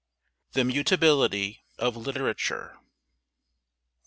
THE MUTABILITY OF LITERATURE.